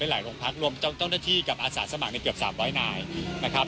เป็นหลายโรงพักรวมต้นต้นที่กับอาสาสมังในเกือบ๓๐๐นายนะครับ